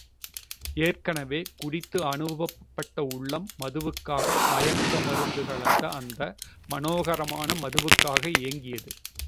ஏற்கெனவே, குடித்து அனுபவப்பட்ட உள்ளம் மதுவுக்காக மயக்க மருந்து கலந்த அந்த மனோகரமான மதுவுக்காக ஏங்கியது.